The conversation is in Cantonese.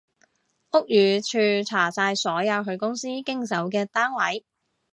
屋宇署查晒所有佢公司經手嘅單位